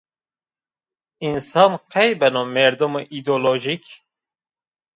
Însan qey beno merdimo îdeolojîk?